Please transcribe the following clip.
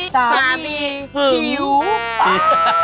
สามีหิวไป